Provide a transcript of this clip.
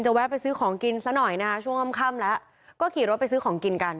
แวะไปซื้อของกินซะหน่อยนะฮะช่วงค่ำแล้วก็ขี่รถไปซื้อของกินกัน